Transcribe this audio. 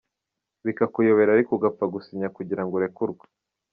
bikakuyobera ariko ugapfa gusinya kugira ngo urekurwe.